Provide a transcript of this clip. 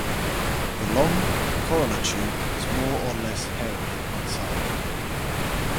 The long corolla tube is more or less hairy inside.